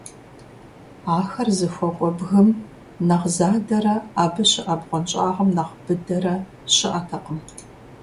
Ахэр зыхуэкӀуэ бгым нэхъ задэрэ абы щыӀэ бгъуэнщӀагъым нэхъ быдэрэ щыӀэтэкъым.